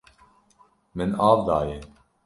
Min av daye.